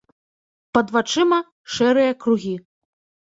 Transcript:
Пад вачыма шэрыя кругі.